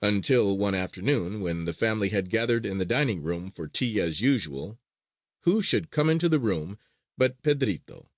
Until one afternoon, when the family had gathered in the dining room for tea as usual, who should come into the room but Pedrito!